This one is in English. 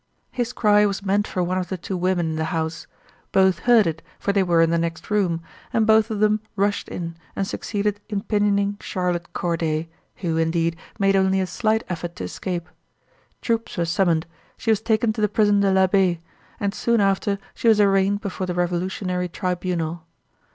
His cry was meant for one of the two women in the house. Both heard it, for they were in the next room; and both of them rushed in and succeeded in pinioning Charlotte Corday, who, indeed, made only a slight effort to escape. Troops were summoned, she was taken to the Prison de l'Abbaye, and soon after she was arraigned before the revolutionary tribunal.